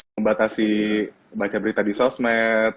membatasi baca berita di sosmed